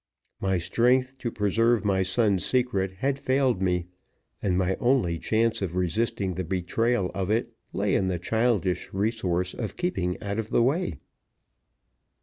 My strength to preserve my son's secret had failed me, and my only chance of resisting the betrayal of it lay in the childish resource of keeping out of the way.